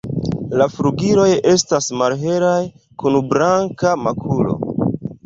La flugiloj estas malhelaj kun blanka makulo.